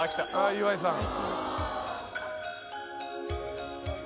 岩井さん。